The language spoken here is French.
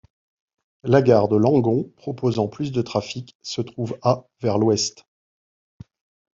La gare de Langon proposant plus de trafic se trouve à vers l'ouest.